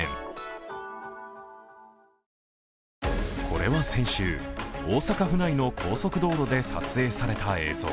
これは先週、大阪府内の高速道路で撮影された映像。